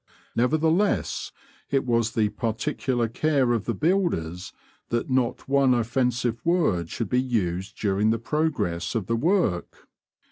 Nevertheless, it was the particular care of the builders that not one offensive word should be used during the progress of the work.